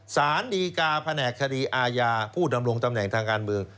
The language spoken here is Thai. สารดีกาแผนกคดีอาญาผู้ดำรงตำแหน่งทางการเมือง